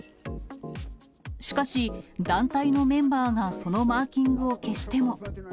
しかし団体のメンバーがそのマーキングを消しても。